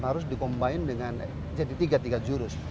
harus dikombinasi dengan jadi tiga jurus